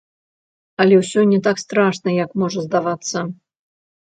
Але ўсё не так страшна, як можа здавацца.